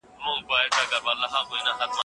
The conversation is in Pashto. امانت وساتئ.